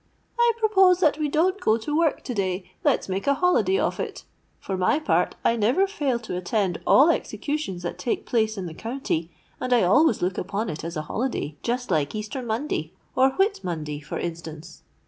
'—'I propose that we don't go to work to day. Let's make a holiday of it? For my part, I never fail to attend all executions that take place in the county, and I always look upon it as a holiday; just like Easter Monday or Whit Monday for instance.'